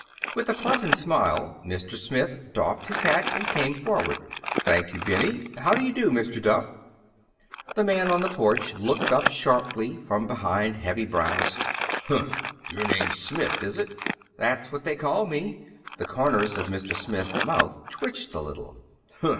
With a pleasant smile Mr. Smith doffed his hat and came forward. "Thank you, Benny. How do you do, Mr. Duff?" The man on the porch looked up sharply from beneath heavy brows. "Humph! Your name's Smith, is it?" "That's what they call me." The corners of Mr. Smith's mouth twitched a little.